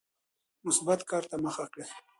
مثبت کار ته مخه کړئ.